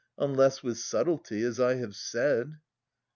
Unless with subtlety, as I have said.